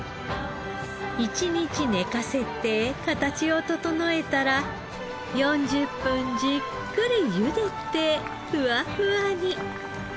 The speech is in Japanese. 一日寝かせて形を整えたら４０分じっくり茹でてふわふわに。